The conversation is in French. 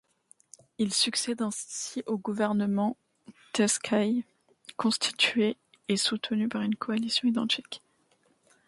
Il succède ainsi au gouvernement Tusk I, constitué et soutenu par une coalition identique.